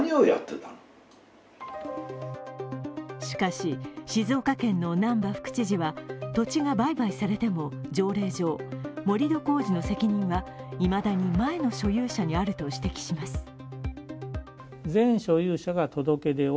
しかし、静岡県の難波副知事は土地が売買されても条例上、盛り土工事の責任はいまだに前の所有者にあると指摘します。